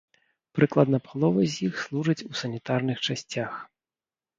Прыкладна палова з іх служаць у санітарных часцях.